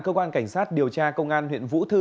cơ quan cảnh sát điều tra công an huyện vũ thư